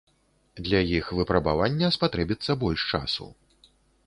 Для іх выпрабавання спатрэбіцца больш часу.